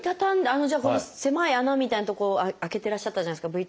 じゃあこの狭い穴みたいな所開けていらっしゃったじゃないですかＶＴＲ。